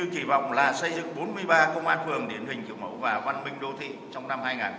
bốn mươi ba công an phường điển hình kiểu mẫu và văn minh đô thị trong năm hai nghìn hai mươi bốn